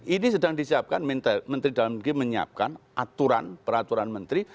ini sedang disiapkan menteri dalam negeri menyiapkan aturan peraturan menteri